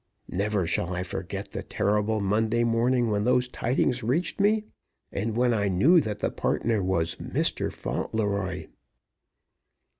Never shall I forget the terrible Monday morning when those tidings reached me, and when I knew that the partner was Mr. Fauntleroy.